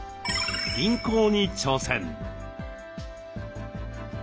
輪行に挑戦。